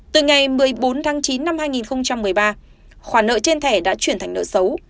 từ ngày một mươi bốn tháng chín năm hai nghìn một mươi ba khoản nợ trên thẻ đã chuyển thành nợ xấu